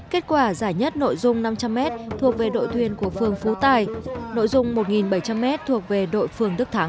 kết quả giải nhất nội dung năm trăm linh m thuộc về đội thuyền của phường phú tài nội dung một bảy trăm linh m thuộc về đội phương đức thắng